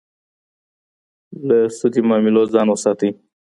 له سودي معاملو ځان وساتئ.